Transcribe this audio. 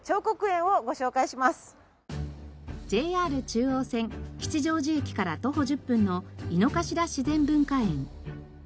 ＪＲ中央線吉祥寺駅から徒歩１０分の井の頭自然文化園。